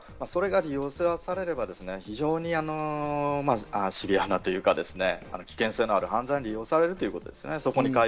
ですから、それが利用されればシビアなというか、危険性のある犯罪に利用されるということです。